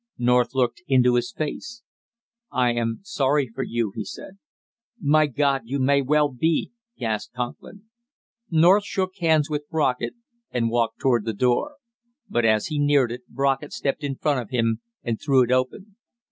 North looked into his face. "I am sorry for you," he said. "My God, you may well be!" gasped Conklin. North shook hands with Brockett and walked toward the door; but as he neared it, Brockett stepped in front of him and threw it open.